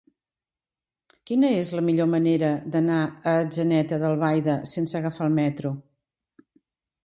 Quina és la millor manera d'anar a Atzeneta d'Albaida sense agafar el metro?